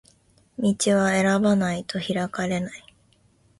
道は選ばないと開かれない